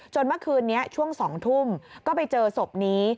เมื่อคืนนี้ช่วง๒ทุ่มก็ไปเจอศพนี้